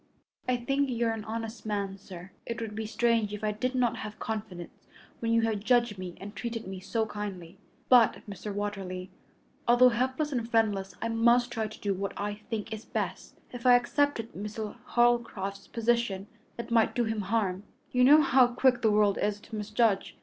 "I think you are an honest man, sir. It would be strange if I did not have confidence when you have judged me and treated me so kindly. But, Mr. Watterly, although helpless and friendless, I must try to do what I think is best. If I accepted Mr. Holcroft's position it might do him harm. You know how quick the world is to misjudge.